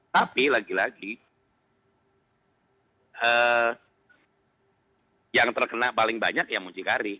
tapi lagi lagi yang terkena paling banyak ya muncikari